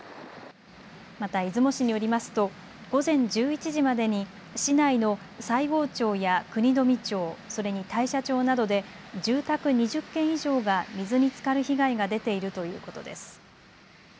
また出雲市によりますと午前１１時までに市内の西郷町や国富町、それに大社町などで住宅２０軒以上が水につかる被害が出ているということです。